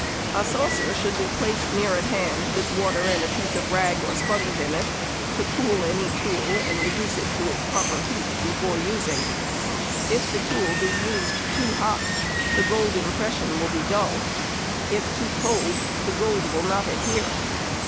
A saucer should be placed near at hand, with water and a piece of rag or a sponge in it, to cool any tool and reduce it to its proper heat before using. If the tool be used too hot, the gold impression will be dull; if too cold, the gold will not adhere.